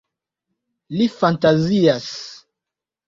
Li fantazias.